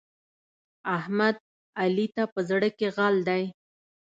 احمد؛ علي ته په زړه کې غل دی.